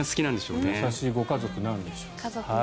優しいご家族なんでしょう。